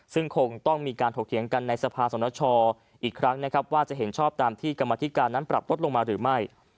ซึ่งคงต้องมีการถกเถียงกันในสภาสนชอีกครั้งนะครับว่าจะเห็นชอบตามที่กรรมธิการนั้นปรับลดลงมาหรือไม่